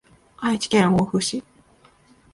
愛知県大府市